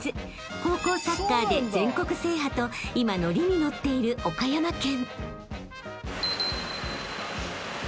［高校サッカーで全国制覇と今乗りに乗っている岡山県］